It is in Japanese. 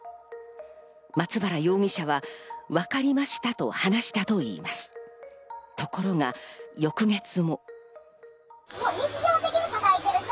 松原容疑者はわかりましたと話したといいます。